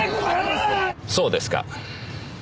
そうですか。